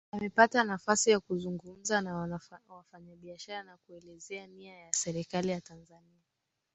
Amepata nafasi ya kuzungumza na wafanyabiashara na kuelezea nia ya Serikali ya Tanzania